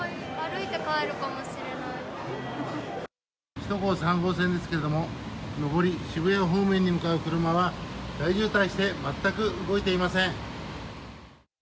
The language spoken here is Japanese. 首都高３号線ですけれども、上り渋谷方面に向かう車は大渋滞して全く動いていません。